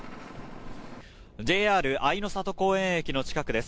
ＪＲあいの里公園駅の近くです。